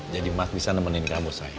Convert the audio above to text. jadi mas bisa nemenin kamu sayang